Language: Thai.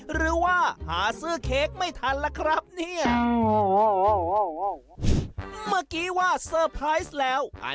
หรือว่าหาซื้อเค้กไม่ทันละ